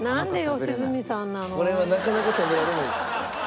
これはなかなか食べられないんですよ。